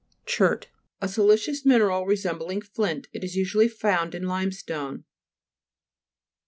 CHERT A siliceous mineral resem bling flint. It is usually found in limestone.